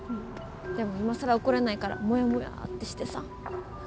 でも、今更怒れないからモヤモヤってしてさ。